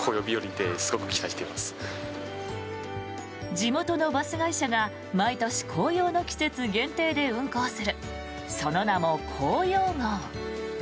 地元のバス会社が毎年紅葉の季節限定で運行するその名も紅葉号。